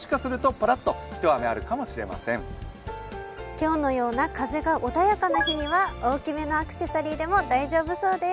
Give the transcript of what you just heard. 今日のような風が穏やかな日は大きめのアクセサリーでも大丈夫そうです。